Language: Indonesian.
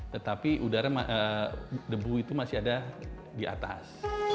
tetapi debu itu masih ada di atas